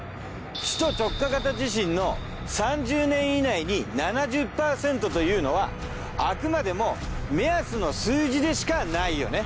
首都直下型地震の３０年以内に７０％というのはあくまでも目安の数字でしかないよね？